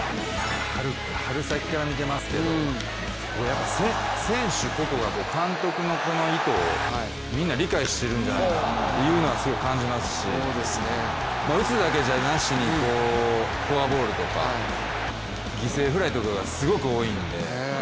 春先から見てますけど、選手個々が監督のこの意図をみんな理解してるんじゃないかなというのはすごく感じますし打つだけじゃなしにフォアボールとか犠牲フライとかがすごく多いんで。